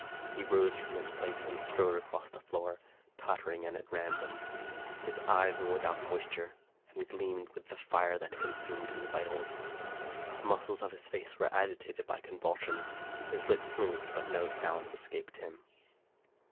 He rose from his place and strode across the floor, tottering and at random. His eyes were without moisture, and gleamed with the fire that consumed his vitals. The muscles of his face were agitated by convul sions. His lips moved, but no sound escaped him.